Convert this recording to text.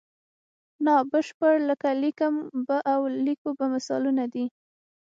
نا بشپړ لکه لیکم به او لیکو به مثالونه دي.